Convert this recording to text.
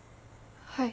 はい。